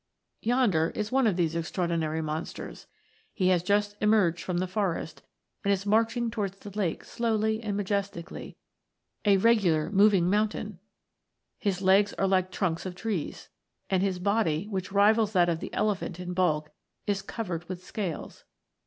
Yonder is one of these extraordinary monsters. He has just emerged from the forest, and is march ing towards the lake slowly and majestically, a re gular moving mountain ! His legs are like trunks of trees, and his body, which rivals that of the elephant in bulk, is covered with scales.